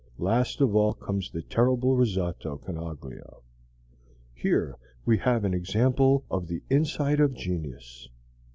Last of all comes the terrible Risotto, con aglio. Here we have an example of the insight of genius!